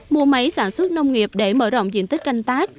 mua máy sản xuất nông nghiệp để mở rộng diện tích canh tác